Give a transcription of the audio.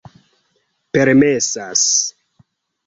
permesas